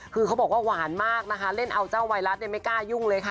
คือเขาบอกว่าหวานมากนะคะเล่นเอาเจ้าไวรัสไม่กล้ายุ่งเลยค่ะ